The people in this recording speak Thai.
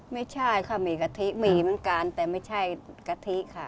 ไม่ใช่ค่ะมีกะทิมีเหมือนกันแต่ไม่ใช่กะทิค่ะ